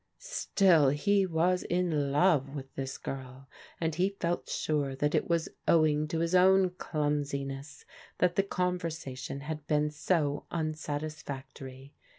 Still he was in love with this girl, and he felt sure that it was owing to his own clumsiness that the conversation had been so unsatisfactory.